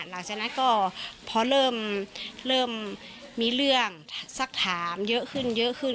หลังจากนั้นก็พอเริ่มมีเรื่องสักถามเยอะขึ้นเยอะขึ้น